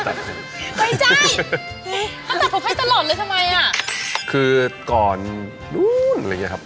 ก้าวเบื้องก้าว